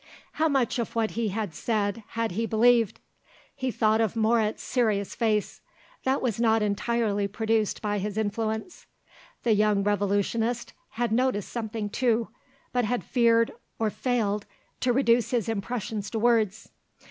How much of what he had said had he believed? He thought of Moret's serious face; that was not entirely produced by his influence. The young revolutionist had noticed something too, but had feared, or failed, to reduce his impressions to words.